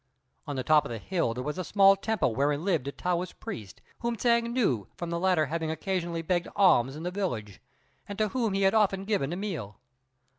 On the top of the hill there was a small temple wherein lived a Taoist priest, whom Hsiang knew from the latter having occasionally begged alms in the village, and to whom he had often given a meal.